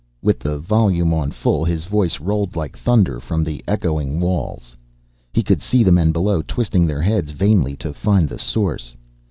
With the volume on full his voice rolled like thunder from the echoing walls. He could see the men below twisting their heads vainly to find the source.